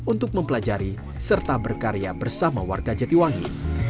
untuk mempelajari serta berkarya bersama warga jatiwangi